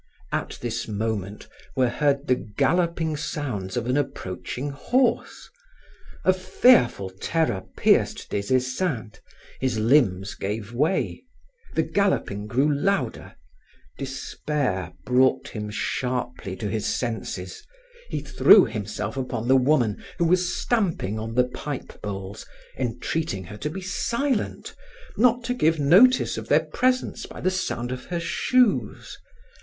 At this moment were heard the galloping sounds of an approaching horse. A fearful terror pierced Des Esseintes. His limbs gave way. The galloping grew louder. Despair brought him sharply to his senses. He threw himself upon the woman who was stamping on the pipe bowls, entreating her to be silent, not to give notice of their presence by the sound of her shoes.